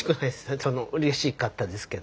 そのうれしかったですけど。